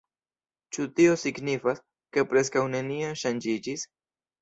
Ĉu tio signifas, ke preskaŭ nenio ŝanĝiĝis?